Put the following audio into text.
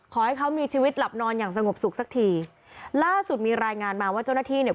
ขอให้เขามีชีวิตหลับนอนอย่างสงบสุขสักทีล่าสุดมีรายงานมาว่าเจ้าหน้าที่เนี่ย